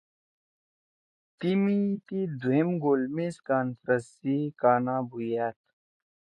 تیمی تی دُھوئم گول میز کانفرنس سی کانا بُھویأد